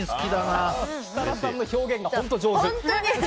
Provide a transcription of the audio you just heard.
設楽さんの表現が本当上手！